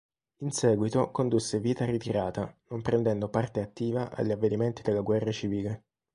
In sèguito condusse vita ritirata, non prendendo parte attiva agli avvenimenti della guerra civile.